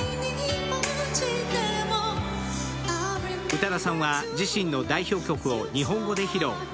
宇多田さんは自身の代表曲を日本語で披露。